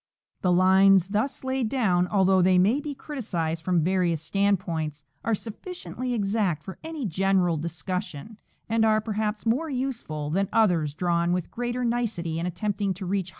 f The lines thus laid down, although they may be criticised from various standpoints, are sufficiently exact for any general discussion, and are, perhaps, more useful than others drawn with greater nicety and attempting to reach higher precision.